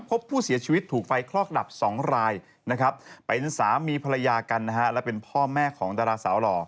พบผู้เสียชีวิตถูกไฟคลอกดับ๒รายนะครับเป็นสามีภรรยากันนะฮะและเป็นพ่อแม่ของดาราสาวหล่อ